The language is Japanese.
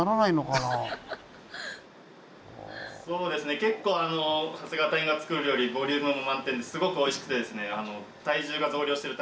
結構長谷川隊員が作る料理ボリュームも満点ですごくおいしくてですね